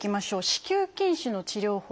子宮筋腫の治療法。